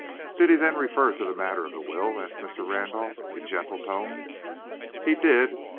"Did he then refer to the matter of the will?" asked Mr. Randolph, in gentle tones. "He did.